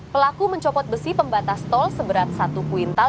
pelaku mencopot besi pembatas tol seberat satu kuintal